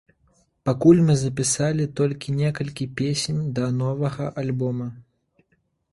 Пакуль мы запісалі толькі некалькі песень да новага альбома.